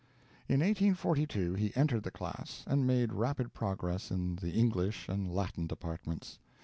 In 1842 he entered the class, and made rapid progress in the English and Latin departments.